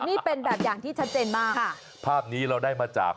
นี่เป็นแบบอย่างที่ชัดเจนมาก